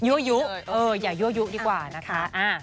ยุอย่ายั่วยุดีกว่านะคะ